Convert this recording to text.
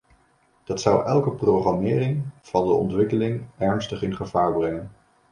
Dat zou elke programmering van de ontwikkeling ernstig in gevaar brengen.